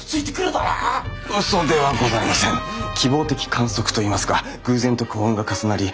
希望的観測と言いますか偶然と幸運が重なり